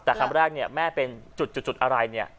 แต่คำแรกเนี่ยแม่เป็นจุดอะไรเนี่ย